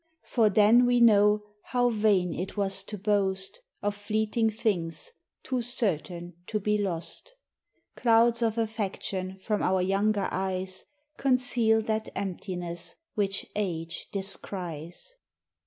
For then we know how vain it was to boast Of fleeting tilings, too certain to be lost. Clouds of affection from our younger eyes Conceal that emptiness which age descries.